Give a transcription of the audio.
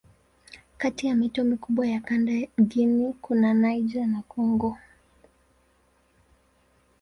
Kati ya mito mikubwa ya kanda Guinea kuna Niger na Kongo.